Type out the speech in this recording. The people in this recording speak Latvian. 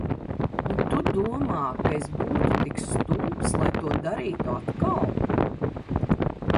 Un tu domā, ka es būtu tik stulbs, lai to darītu atkal?